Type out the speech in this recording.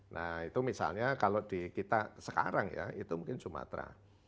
nah itu misalnya kalau di kita sekarang ya itu mungkin sumatera